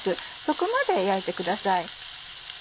そこまで焼いてください。